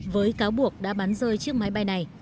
với cáo buộc đã bắn rơi chiếc máy bay này